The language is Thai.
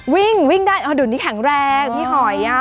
วิ่งวิ่งได้เดี๋ยวนี้แข็งแรงพี่หอย